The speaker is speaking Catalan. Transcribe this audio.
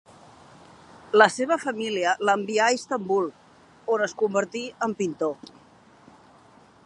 La seva família l'envià a Istanbul, on es convertí en pintor.